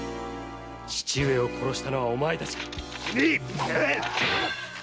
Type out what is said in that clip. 父上を殺したのはお前たちか。